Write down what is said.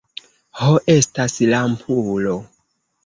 Ho, estas lampulo.